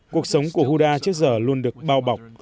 cuộc sống của houda trước giờ luôn được bao bọc